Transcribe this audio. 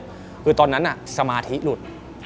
คือตอนนั้นสมาธิหลุด